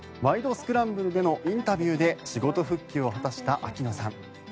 スクランブル」でのインタビューで仕事復帰を果たした秋野さん。